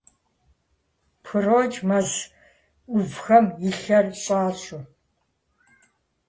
Пхрокӏ мэз ӏувхэм, и лъэр щӏэщӏэу.